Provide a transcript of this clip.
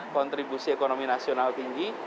kontribusi ekonomi nasional tinggi